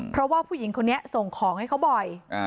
เพราะว่าผู้หญิงคนนี้ส่งของให้เขาบ่อย